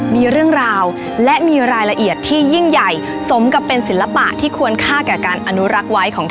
มีเรื่องราวและมีรายละเอียดที่ยิ่งใหญ่สมกับเป็นศิลปะที่ควรค่าแก่การอนุรักษ์ไว้ของ